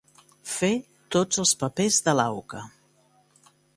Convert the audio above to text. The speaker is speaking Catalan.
Fer tots els papers de l'auca.